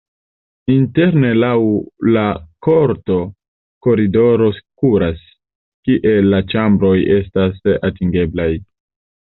Interne laŭ la korto koridoro kuras, kie la ĉambroj estas atingeblaj.